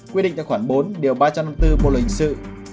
quyết định đã khoảng bốn điều ba trăm năm mươi bốn bộ lợi hình sự